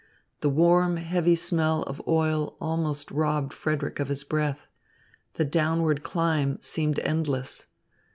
The warm, heavy smell of oil almost robbed Frederick of his breath. The downward climb seemed endless.